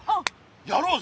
やろうぜ！